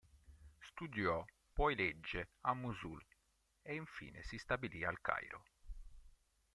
Studiò poi legge a Mosul e infine si stabilì al Cairo.